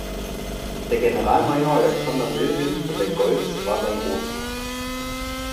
Der Generalmajor Alexander Wilhelm von der Goltz war sein Großvater.